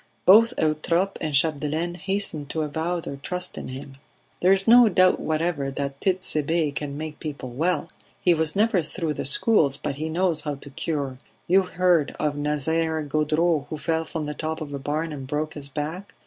Both Eutrope and Chapdelaine hastened to avow their trust in him. "There is no doubt whatever that Tit'Sebe can make people well. He was never through the schools, but he knows how to cure. You heard of Nazaire Gaudreau who fell from the top of a barn and broke his back.